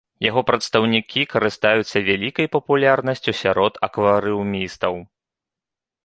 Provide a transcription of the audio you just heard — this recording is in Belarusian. Яго прадстаўнікі карыстаюцца вялікай папулярнасцю сярод акварыумістаў.